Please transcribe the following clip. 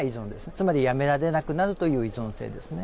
つまりやめられなくなるという依存性ですね。